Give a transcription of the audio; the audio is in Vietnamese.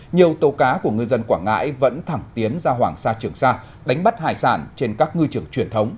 nhiều tàu cá của ngư dân quảng ngãi vẫn thẳng tiến ra hoàng sa trường sa đánh bắt hải sản trên các ngư trường truyền thống